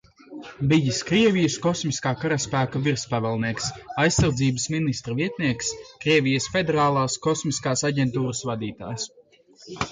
Bijis Krievijas Kosmiskā karaspēka virspavēlnieks, Aizsardzības ministra vietnieks, Krievijas Federālās kosmiskās aģentūras vadītājs.